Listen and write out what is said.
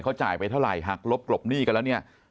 เขาจ่ายไปเท่าไหร่หักลบกลบหนี้กันแล้วเนี่ย